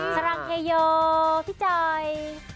สวัสดีค่ะพี่จอย